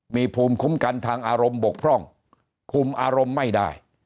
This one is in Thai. มีภูมิคุ้มกันทางอารมณ์บกพร่องคุมอารมณ์ไม่ได้